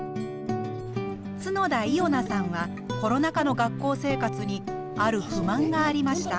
角田いおなさんはコロナ禍の学校生活にある不満がありました。